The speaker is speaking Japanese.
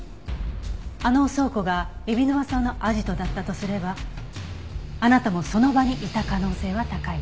あの倉庫が海老沼さんのアジトだったとすればあなたもその場にいた可能性は高い。